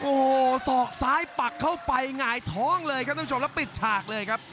โอ้โหสอกซ้ายปักเข้าไปหงายท้องเลยครับท่านผู้ชมแล้วปิดฉากเลยครับ